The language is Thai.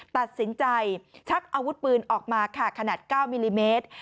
ตัดสินใจชักอาวุธปืนออกมาค่ะขนาด๙มิลลิเมตร